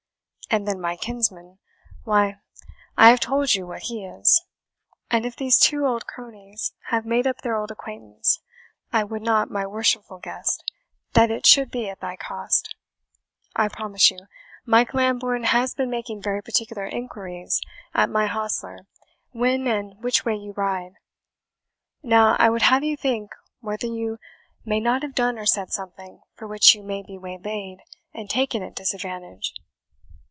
And, then, my kinsman why, I have told you what he is; and if these two old cronies have made up their old acquaintance, I would not, my worshipful guest, that it should be at thy cost. I promise you, Mike Lambourne has been making very particular inquiries at my hostler when and which way you ride. Now, I would have you think whether you may not have done or said something for which you may be waylaid, and taken at disadvantage."